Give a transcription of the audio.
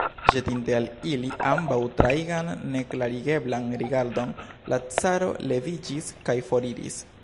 Ĵetinte al ili ambaŭ traigan neklarigeblan rigardon, la caro leviĝis kaj foriris.